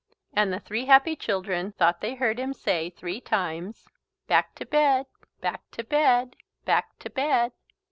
And the three happy children thought they heard him say three times: "Back to bed, back to bed, back to bed!"